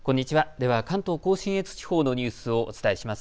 では関東甲信越地方のニュースをお伝えします。